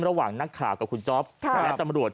ระหว่างนักข่าวกับคุณจ๊อปและตำรวจ